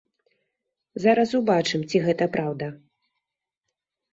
Зараз убачым, ці гэта праўда.